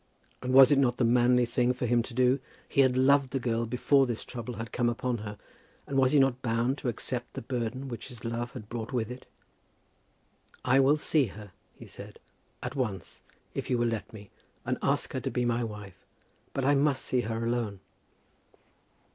And was it not the manly thing for him to do? He had loved the girl before this trouble had come upon her, and was he not bound to accept the burden which his love had brought with it? "I will see her," he said, "at once, if you will let me, and ask her to be my wife. But I must see her alone."